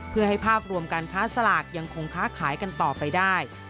เพื่อให้ภาพรวมการค้าสลากยังคงค้าขายกันต่อไปได้